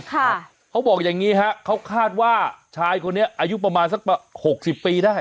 เขาบอกอย่างงี้ฮะเขาคาดว่าชายคนนี้อายุประมาณสักหกสิบปีได้